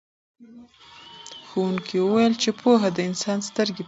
ښوونکي وویل چې پوهه د انسان سترګې پرانیزي.